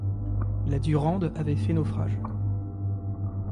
La Durande avait fait naufrage.